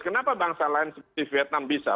kenapa bangsa lain seperti vietnam bisa